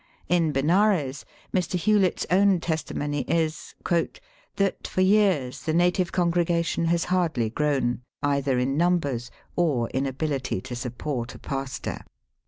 In Benares, Mr. Hewlett's own testimony is "that for years the native con gregation has hardly grown, either in numbers or in ability to support a pastor."